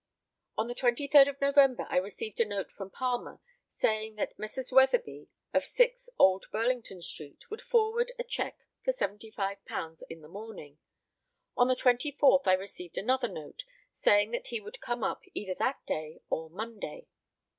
On the 23rd of November I received a note from Palmer, saying that Messrs. Weatherby, of 6, Old Burlington street, would forward a cheque for £75 in the morning. On the 24th I received another note, saying that he would come up either that day or Monday.